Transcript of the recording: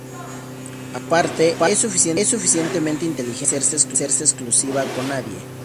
Aparte, es suficientemente inteligente de no hacerse exclusiva con nadie.